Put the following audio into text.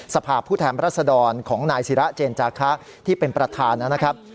สภาพผู้แทนรัศดรของนายศิระเจนจาคะที่เป็นประธานนะครับ